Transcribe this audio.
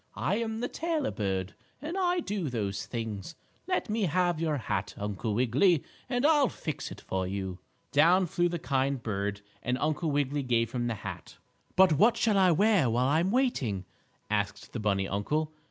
"I am the tailor bird, and I do those things. Let me have your hat, Uncle Wiggily, and I'll fix it for you." Down flew the kind bird, and Uncle Wiggily gave him the hat. "But what shall I wear while I'm waiting?" asked the bunny uncle.